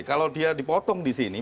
kalau dia dipotong disini